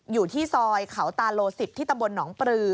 อยู่ที่ซอยเขาตาโล๑๐ที่ตำบลหนองปลือ